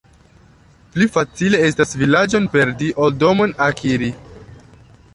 Pli facile estas vilaĝon perdi, ol domon akiri.